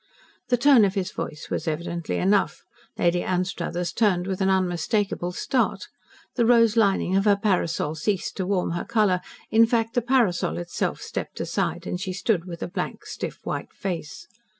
The tone of his voice was evidently enough. Lady Anstruthers turned with an unmistakable start. The rose lining of her parasol ceased to warm her colour. In fact, the parasol itself stepped aside, and she stood with a blank, stiff, white face.